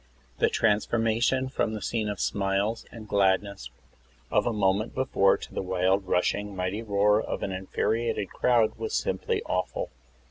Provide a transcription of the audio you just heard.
The transformation from the scene of smiles and gladness o┬½f a moment before, to the wild, rushing, mighty roar of an infuriated crowd, was simjply awful.